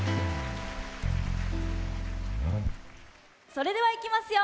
それではいきますよ！